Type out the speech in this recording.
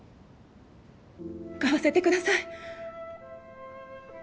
買わせてください。